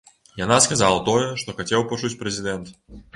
Яна сказала тое, што хацеў пачуць прэзідэнт.